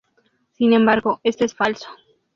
Sin embargo, esto es falso.